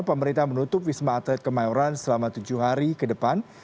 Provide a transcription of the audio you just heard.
pemerintah menutup wisma atlet kemayoran selama tujuh hari ke depan